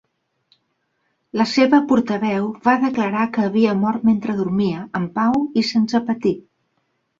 La seva portaveu va declarar que "havia mort mentre dormia, en pau i sense patir".